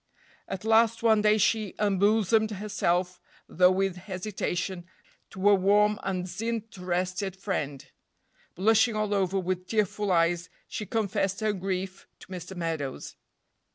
At last one day she unbosomed herself, though with hesitation, to a warm and disinterested friend; blushing all over with tearful eyes she confessed her grief to Mr. Meadows.